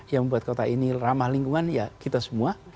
yang membuat kota ini ramah lingkungan ya kita semua